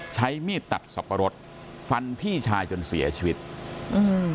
ใช้มีดตัดสับปะรดฟันพี่ชายจนเสียชีวิตอืม